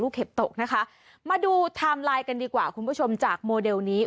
เห็บตกนะคะมาดูไทม์ไลน์กันดีกว่าคุณผู้ชมจากโมเดลนี้